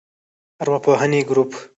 ارواپوهنې ګروپ